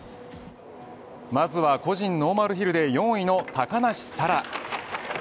まずは個人ノーマルヒルで４位の高梨沙羅。